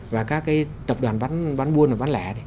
và các tập đoàn bán buôn và bán lẻ